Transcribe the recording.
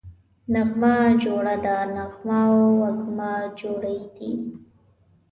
نغمه جوړه ده → نغمه او وږمه جوړې دي